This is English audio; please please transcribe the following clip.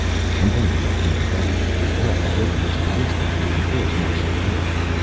I'm going to get Van Deventer to help me organize a police band to enforce martial law.